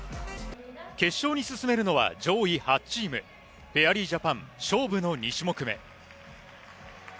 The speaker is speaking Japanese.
決勝に進めるのは上位８チーム、フェアリージャパン、勝負の２種目目。